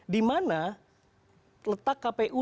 dimana letak kpu